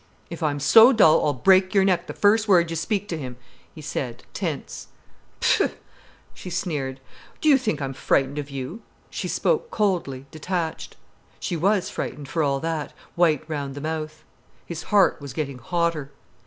"If I'm so dull I'll break your neck the first word you speak to him," he said, tense. "Pf!" she sneered. "Do you think I'm frightened of you?" She spoke coldly, detached. She was frightened, for all that, white round the mouth. His heart was getting hotter.